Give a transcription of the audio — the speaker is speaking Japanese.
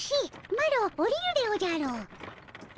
マロおりるでおじゃる。